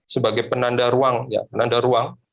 sebagai penanda ruang